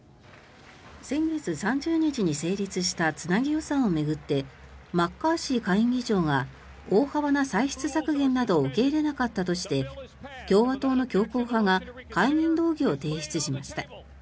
先月３０日に成立したつなぎ予算を巡ってマッカーシー下院議長が大幅な歳出削減などを受け入れなかったとして共和党の強硬派が解任動議を提出しました。